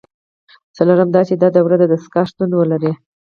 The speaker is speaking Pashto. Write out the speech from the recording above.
څلورم دا چې د داورۍ دستگاه شتون ولري.